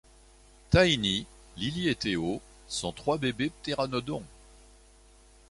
Tiny, Lili et Téo sont trois bébés ptéranodons.